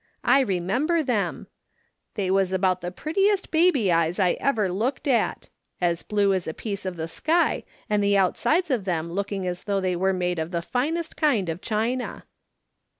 I remember them ; they was about the prettiest baby eyes I ever looked at ; as blue as a piece of the sky, and the outsides of them looking as though they were made of the finest kind of china.''